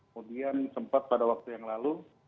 kemudian sempat pada waktu yang lalu